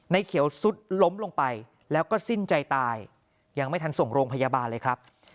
เขียวซุดล้มลงไปแล้วก็สิ้นใจตายยังไม่ทันส่งโรงพยาบาลเลยครับ